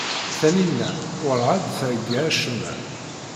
Taninna werɛad d-theyya acemma.